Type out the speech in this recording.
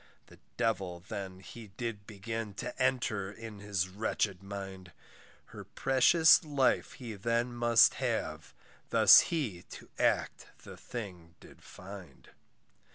The devil then he did begin To enter in his wretched mind; Her precious life he then must have, Thus he to act the thing did find.